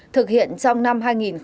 thực hiện trong năm hai nghìn một mươi bảy